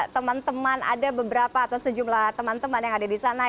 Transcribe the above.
teman teman ada beberapa atau sejumlah teman teman yang ada di sana